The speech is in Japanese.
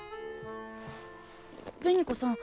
紅子さん